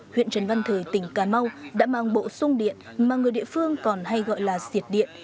huyện trần văn thời tỉnh cà mau đã mang bộ sung điện mà người địa phương còn hay gọi là diệt điện